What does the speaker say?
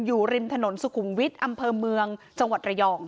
อยู่ริมถนนสุขุมวิทย์อำเภอเมืองจังหวัดระยอง